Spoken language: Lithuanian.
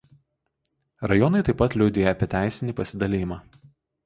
Rajonai taip pat liudija apie teisinį pasidalijimą.